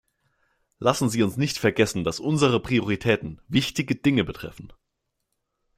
Lassen Sie uns nicht vergessen, dass unsere Prioritäten wichtige Dinge betreffen.